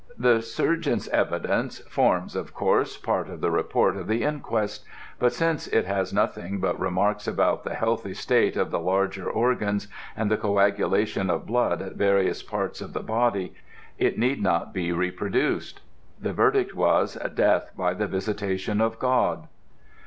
The surgeon's evidence forms of course part of the report of the inquest, but since it has nothing but remarks upon the healthy state of the larger organs and the coagulation of blood in various parts of the body, it need not be reproduced. The verdict was "Death by the visitation of God."